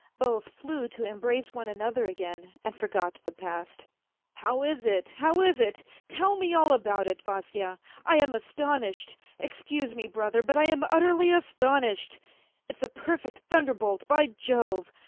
Both flew to embrace one another again and forgot the past. " How is it how is it ? Tell me all about it, Vasya ! I am astonished, excuse me, brother, but I am utterly astonished; it's a perfect thunderbolt, by Jove